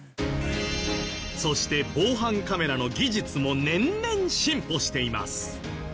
そして防犯カメラの技術も年々進歩しています。